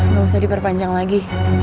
gak usah diperpanjang lagi